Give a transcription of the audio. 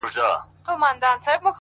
• شپه به مي وباسي له ښاره څخه ,